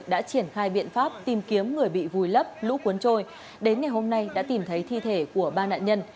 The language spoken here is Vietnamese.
đã triển khai biện pháp tìm kiếm người bị vùi lấp lũ cuốn trôi đến ngày hôm nay đã tìm thấy thi thể của ba nạn nhân